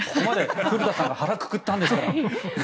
古田さんが腹をくくったんですよ。